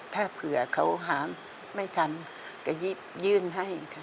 ถ้าเผื่อเขาหาไม่ทันก็ยื่นให้ค่ะ